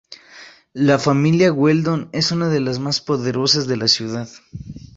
La familia Weldon es una de los más poderosas de la ciudad.